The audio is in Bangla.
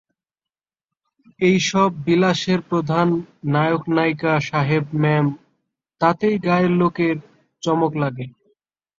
এই-সব বিলাসের প্রধান নায়কনায়িকা সাহেব-মেম, তাতেই গাঁয়ের লোকের চমক লাগে।